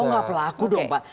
oh enggak pelaku dong pak